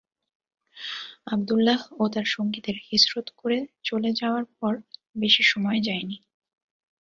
আবদুল্লাহ ও তার সঙ্গীদের হিজরত করে চলে যাওয়ার পর বেশী সময় যায়নি।